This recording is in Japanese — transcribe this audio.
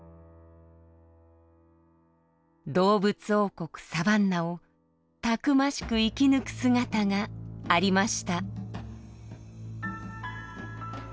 動物王国サバンナをたくましく生き抜く姿がありました。